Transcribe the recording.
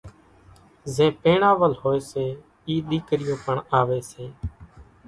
زين پيڻاول ھوئي سي اِي ۮيڪريون پڻ آوي سي